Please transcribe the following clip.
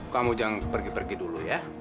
kamu jangan pergi pergi dulu ya